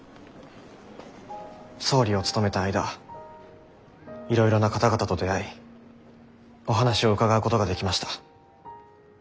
総理を務めた間いろいろな方々と出会いお話を伺うことができました。